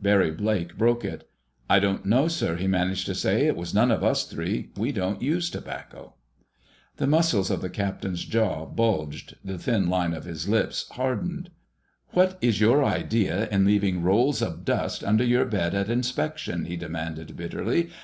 Barry Blake broke it. "I don't know, sir," he managed to say. "It was none of us three. We don't use tobacco." The muscles of the captain's jaw bulged. The thin line of his lips hardened. "What is your idea in leaving rolls of dust under your bed at inspection?" he demanded bitterly.